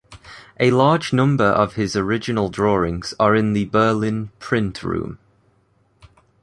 A large number of his original drawings are in the Berlin print room.